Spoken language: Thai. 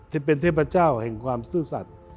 ที่เป็นเทพเจ้าแห่งความซื่อสัตว์